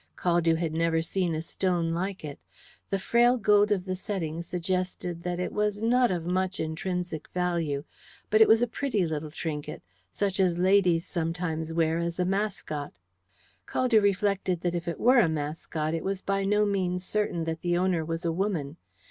Caldew had never seen a stone like it. The frail gold of the setting suggested that it was not of much intrinsic value, but it was a pretty little trinket, such as ladies sometimes wear as a mascot. Caldew reflected that if it were a mascot it was by no means certain that the owner was a woman.